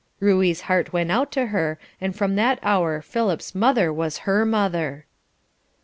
Ruey's heart went out to her, and from that hour Philip's mother was her mother.